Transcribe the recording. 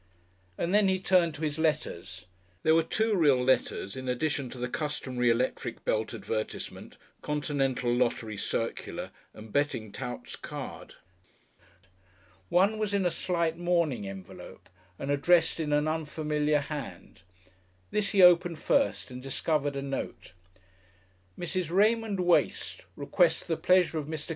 And then he turned to his letters. There were two real letters in addition to the customary electric belt advertisement, continental lottery circular and betting tout's card. One was in a slight mourning envelope and addressed in an unfamiliar hand. This he opened first and discovered a note: MRS. RAYMOND WACE Requests the pleasure of MR.